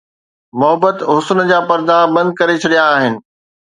محبت حسن جا پردا بند ڪري ڇڏيا آهن